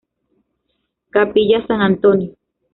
Capilla San Antonio.